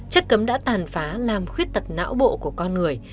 chất cấm đã tàn phá làm khuyết tật não bộ của con người